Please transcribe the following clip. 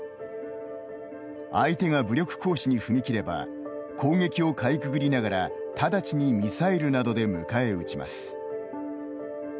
相手が武力行使に踏み切れば攻撃をかいくぐりながらただちにミサイルなどで迎え撃ちます。